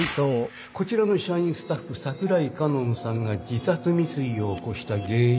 こちらの社員スタッフ櫻井佳音さんが自殺未遂を起こした原因は